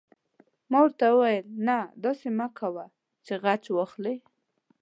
ما ورته وویل: نه، داسې فکر مه کوه چې غچ واخلې.